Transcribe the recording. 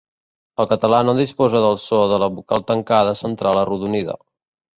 El català no disposa del so de la vocal tancada central arrodonida.